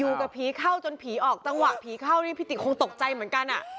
กับผีเข้าจนผีออกจังหวะผีเข้านี่พี่ติคงตกใจเหมือนกันอ่ะ